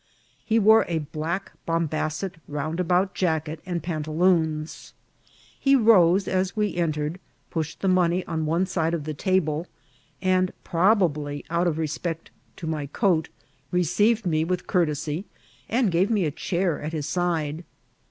He wore a Mack bombazet roundabout jacket and pantaloons. He rose as we en* tered, pushed the money on one side of the table, and, probably out of respect to my coat, received me with Courtesy, and gave me a chair at his side.